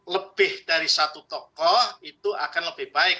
lebih dari satu tokoh itu akan lebih baik